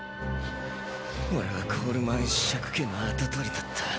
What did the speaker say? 俺はコールマン子爵家の跡取りだった。